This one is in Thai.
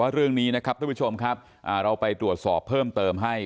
เรื่องนี้นะครับทุกผู้ชมครับเราไปตรวจสอบเพิ่มเติมให้